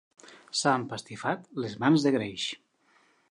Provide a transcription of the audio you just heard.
S'ha empastifat les mans de greix.